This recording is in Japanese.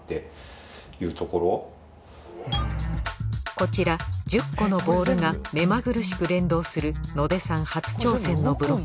こちら１０個のボールが目まぐるしく連動する野出さん